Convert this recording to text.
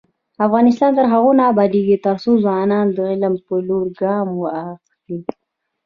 افغانستان تر هغو نه ابادیږي، ترڅو ځوانان د علم په لور ګام واخلي.